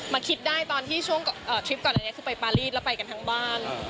คิดได้ตอนที่ช่วงทริปก่อนอันนี้คือไปปารีสแล้วไปกันทั้งบ้าน